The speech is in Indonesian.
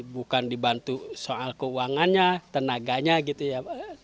bukan dibantu soal keuangannya tenaganya gitu ya